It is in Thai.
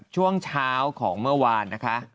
ช่วงเช้าของเมื่อวานนะคะ